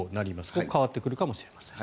ここは変わってくるかもしれません。